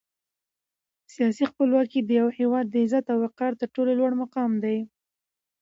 سیاسي خپلواکي د یو هېواد د عزت او وقار تر ټولو لوړ مقام دی.